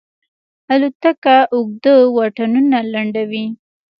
الوتکه اوږده واټنونه لنډوي.